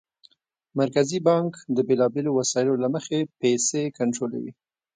مرکزي بانک د بېلابېلو وسایلو له مخې پیسې کنټرولوي.